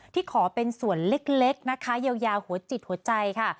ที่ขอเป็นส่วนเล็กนะคะเยียวยาหัวจิตหัวใจค่ะ